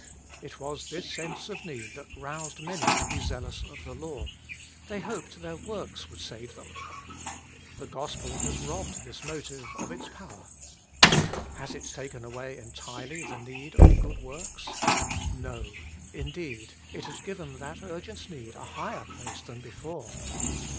It was this sense of need that roused many to be zealous of the law ; they hoped their works would save them. The Gospel has robbed this motive of its power. Has it taken away entirely the need of good works? No, indeed, it has given that urgent need a higher place than before.